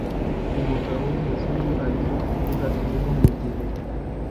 Umugabo wumuzungu arimo kuvuga inkuru mugihe